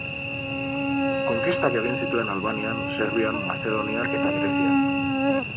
Konkistak egin zituen Albanian, Serbian, Mazedonian eta Grezian.